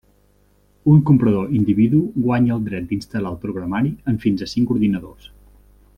Un comprador individu guanya el dret d'instal·lar el programari en fins a cinc ordinadors.